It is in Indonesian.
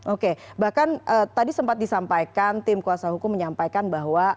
oke bahkan tadi sempat disampaikan tim kuasa hukum menyampaikan bahwa